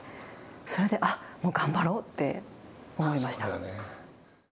それで、あっ、頑張ろうって思いました。